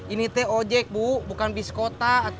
ini teh ojek bu bukan biskota